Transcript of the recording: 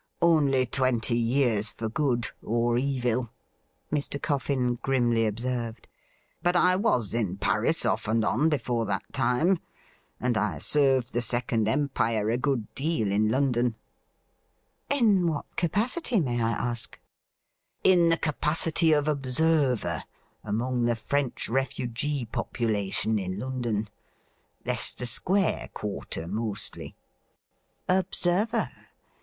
' Only twenty years for good — or evil,' Mr. Coffin grimly observed ;' but I was in Paris off and on before that time, and I served the Second Empire a good deal in London.' ' In what capacity, may I ask .'"' In the capacity of observer, among the French refugee population in Ijondon r— Leicester Square quarter, mostly,' 96 THE RIDDLE RING ' Observer ?